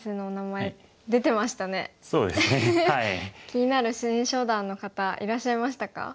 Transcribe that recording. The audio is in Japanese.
気になる新初段の方いらっしゃいましたか？